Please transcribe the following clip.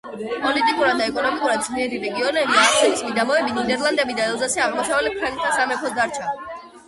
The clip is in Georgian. პოლიტიკურად და ეკონომიკურად ძლიერი რეგიონები, აახენის მიდამოები, ნიდერლანდები და ელზასი აღმოსავლეთ ფრანკთა სამეფოს დარჩა.